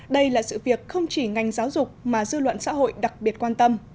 đây là sự việc không chỉ ngành giáo dục mà dư luận xã hội đặc biệt quan tâm